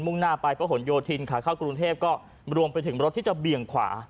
่งหน้าไปพระหลโยธินขาเข้ากรุงเทพก็รวมไปถึงรถที่จะเบี่ยงขวา